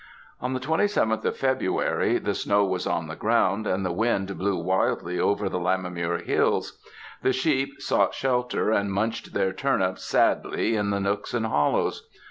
On the 27th of February, the snow was on the ground, and the wind blew wildly over the Lammermuir hills; the sheep sought shelter and munched their turnips sadly in the nooks and hollows.